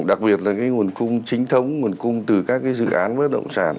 đặc biệt là cái nguồn cung chính thống nguồn cung từ các cái dự án bất động sản